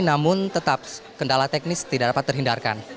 namun tetap kendala teknis tidak dapat terhindarkan